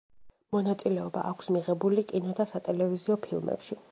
მონაწილეობა აქვს მიღებული კინო და სატელევიზიო ფილმებში.